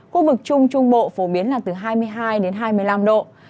khu vực trung trung bộ phổ biến là từ hai mươi hai đến hai mươi năm độ